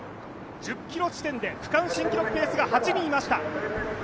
１０ｋｍ地点で区間新記録ペースが８人いました。